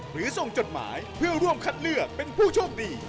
หรือส่งจดหมายเพื่อร่วมคัดเลือกเป็นผู้โชคดี